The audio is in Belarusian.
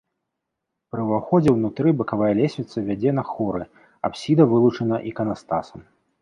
Пры ўваходзе ўнутры бакавая лесвіца вядзе на хоры, апсіда вылучана іканастасам.